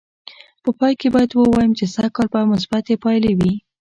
په پای کې باید ووایم چې سږ کال به مثبتې پایلې وې.